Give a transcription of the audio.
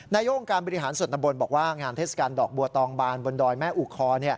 นายกการบริหารส่วนตำบลบอกว่างานเทศกาลดอกบัวตองบานบนดอยแม่อุคอ